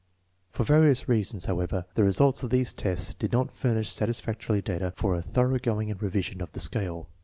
For various reasons, however, the results of these tests did not furnish satisfactory data for a thoroughgoing revision of the scale.